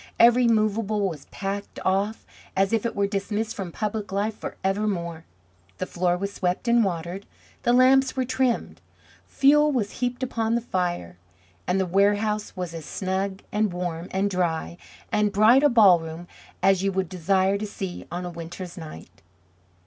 Every movable was packed off, as if it were dismissed from public life forevermore; the floor was swept and watered, the lamps were trimmed, fuel was heaped upon the fire; and the warehouse was as snug, and warm, and dry, and bright a ballroom as you would desire to see on a winter's night.